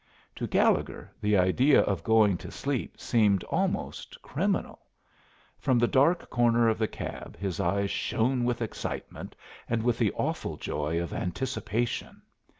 To Gallegher the idea of going to sleep seemed almost criminal. From the dark corner of the cab his eyes shone with excitement, and with the awful joy of anticipation.